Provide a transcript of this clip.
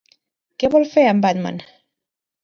Què vol fer en Batman?